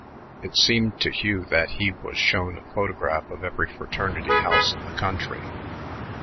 It seemed to Hugh that he was shown a photograph of every fraternity house in the country.